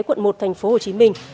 quận một thành phố hồ chí minh